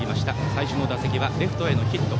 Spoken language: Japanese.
最初の打席はレフトへのヒット。